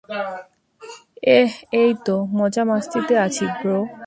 এহ, এইতো মজা-মাস্তিতে আছি ব্রো।